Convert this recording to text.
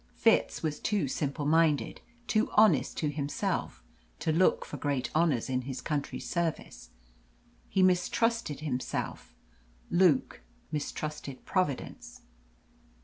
Fitz was too simple minded, too honest to himself, to look for great honours in his country's service. He mistrusted himself. Luke mistrusted Providence.